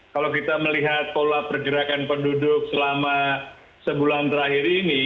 kalau kita melihat pola pergerakan penduduk selama sebulan terakhir ini